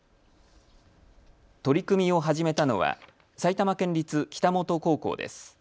取り組みを始めたのは埼玉県立北本高校です。